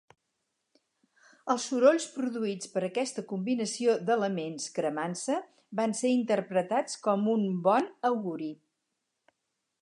Els sorolls produïts per aquesta combinació d'elements cremant-se van ser interpretats com un bon auguri.